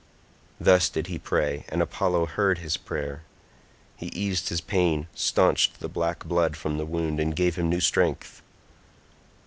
Thus did he pray, and Apollo heard his prayer. He eased his pain, staunched the black blood from the wound, and gave him new strength.